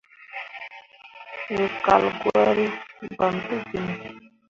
We kal gwari, bam tə genni.